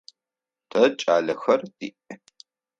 Тэ кӏалэхэр тиӏ.